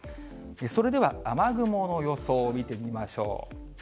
それでは雨雲の予想を見てみましょう。